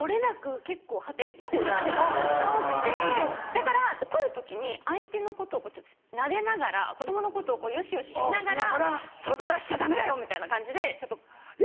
だから怒る時に相手のことをなでながら子供のことをこうよしよししながら「そういうことはしちゃダメだよ」みたいな感じでちょっと声色は。